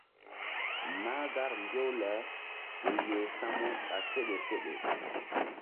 Mahgar mbew le ke yeh samu ɓa seɗe seɗe.